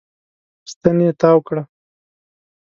ستن يې تاو کړه.